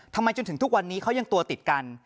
ทำไมจนถึงทุกวันนี้เขายังตัวติดกัน